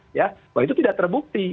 bahwa itu tidak terbukti